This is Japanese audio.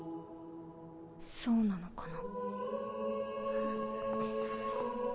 そうなのかな。